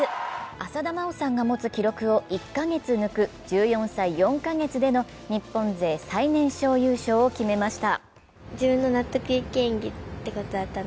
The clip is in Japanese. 浅田真央さんが持つ記録を１か月抜く１４歳４か月での日本勢最年少優勝を決めました。